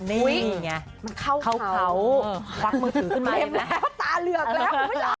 เฮ้ยมันเข้าวักมือถือขึ้นไปนะเล็บแล้วตาเหลือกแล้ว